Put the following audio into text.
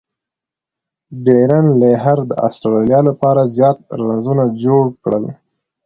ډیرن لیهر د اسټرالیا له پاره زیات رنزونه جوړ کړل.